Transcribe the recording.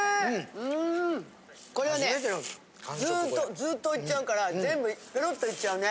うんこれはねずっといっちゃうから全部ペロッといっちゃうね。